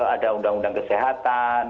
ada undang undang kesehatan